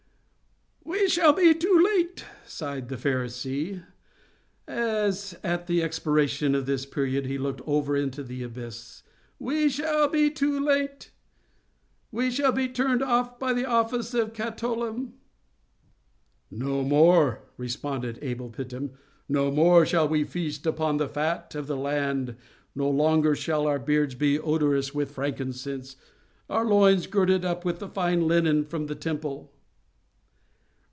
"We shall be too late!" sighed the Pharisee, as at the expiration of this period he looked over into the abyss—"we shall be too late! we shall be turned out of office by the Katholim." "No more," responded Abel Phittim—"no more shall we feast upon the fat of the land—no longer shall our beards be odorous with frankincense—our loins girded up with fine linen from the Temple."